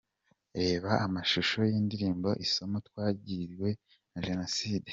Reba amashusho y’indirimbo “Isomo Twasigiwe na Jenoside” .